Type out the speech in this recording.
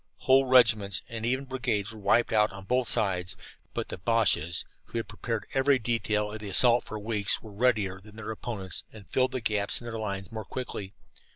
Whole regiments and even brigades were wiped out on both sides, but the Boches, who had prepared every detail of the assault for weeks, were readier than their opponents and filled the gaps in their lines more quickly.